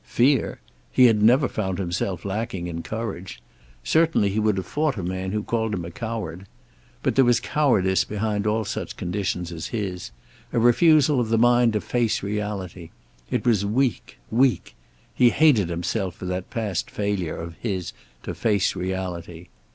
Fear? He had never found himself lacking in courage. Certainly he would have fought a man who called him a coward. But there was cowardice behind all such conditions as his; a refusal of the mind to face reality. It was weak. Weak. He hated himself for that past failure of his to face reality.